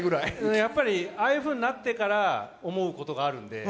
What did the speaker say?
やっぱり、ああいうふうになってから思うことがあるんで。